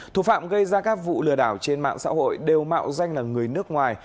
thủ phạm gây ra các vụ lừa đảo trên mạng xã hội đều mạo danh là người nước ngoài